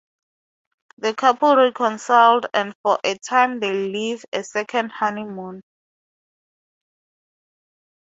The couple reconciled and for a time they live a second honeymoon.